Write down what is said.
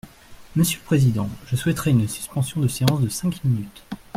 Monsieur le président, je souhaiterais une suspension de séance de cinq minutes.